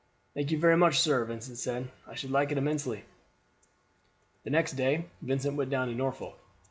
"Thank you very much, sir," Vincent said. "I should like it immensely." The next day Vincent went down to Norfolk.